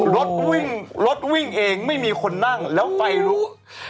รถวิ่งรถวิ่งเองไม่มีคนนั่งแล้วไฟรู้